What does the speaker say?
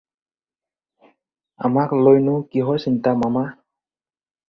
আমাক লৈনাে কিহৰ চিন্তা মামা?